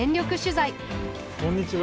こんにちは。